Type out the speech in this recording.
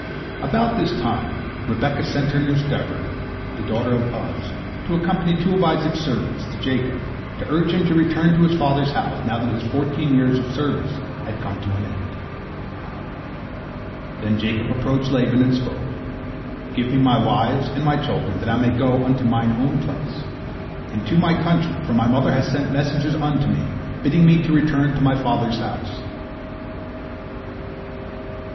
" About this time, Rebekah sent her nurse Deborah, the daughter of Uz, accompanied by two of Isaac's servants, to Jacob, to urge him to return to his father's house, now that his fourteen years of service had come to an end. Then Jacob approached Laban, and spoke, "Give me my wives and my children, that I may go unto mine own place, and to my country, for my mother has sent messengers unto me, bidding me to return to my father's house."